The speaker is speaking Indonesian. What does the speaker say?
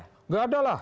tidak ada lah